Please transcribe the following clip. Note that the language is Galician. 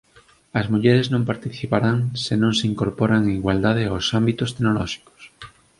As mulleres non participarán se non se incorporan en igualdade aos ámbitos tecnolóxicos.